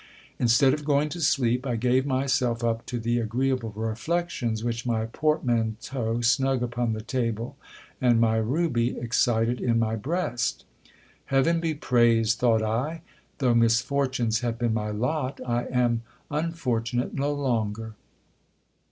Instead of going to sleep, I gave myself up to the agreeable reflections which my portmanteau, snug upon the table, and my ruby excited in my breast Heaven be praised, thought I, though misfortunes have been my lot, I am unfortunate no longer.